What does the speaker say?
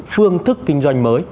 phương thức kinh doanh mới